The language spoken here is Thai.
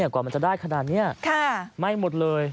ก่อนมันจะได้ขนาดนี้แม่งหมดเลย